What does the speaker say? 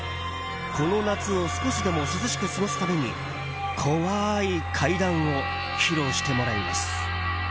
この夏を少しでも涼しく過ごすために怖い怪談を披露してもらいます。